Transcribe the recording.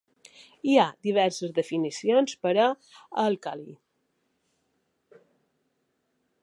Hi ha diverses definicions per a àlcali.